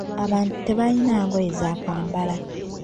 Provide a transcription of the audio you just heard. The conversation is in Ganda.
Abantu tebalina ngoye za kwambala.